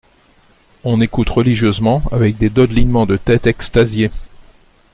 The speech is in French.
On écoute religieusement avec des dodelinements de tête extasiés.